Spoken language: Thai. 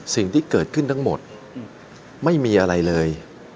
สิ่งที่เกิดขึ้นทั้งหมดไม่มีอะไรเลย